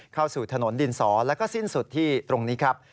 เข้าสู่ถนนดินสอแล้วก็สิ้นสุดที่ตรงนี้ครับ